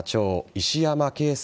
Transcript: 石山恵介